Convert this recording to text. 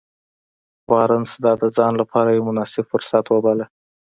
بارنس دا د ځان لپاره يو مناسب فرصت وباله.